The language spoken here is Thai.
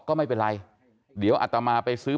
ก็ไม่เป็นไรเดี๋ยวอัตมาไปซื้อ